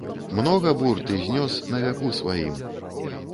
Многа бур ты знёс на вяку сваім!